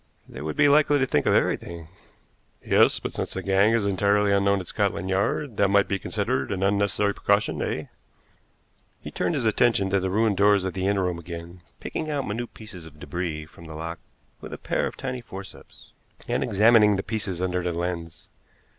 "They would be likely to think of everything." "Yes; but since the gang is entirely unknown at Scotland Yard, that might be considered an unnecessary precaution, eh?" He turned his attention to the ruined doors of the inner room again, picking out minute pieces of débris from the lock with a pair of tiny forceps, and examining the pieces under the lens.